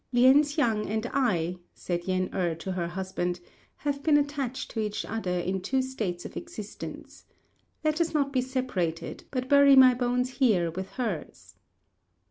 "Lien hsiang and I," said Yen êrh to her husband, "have been attached to each other in two states of existence. Let us not be separated, but bury my bones here with hers."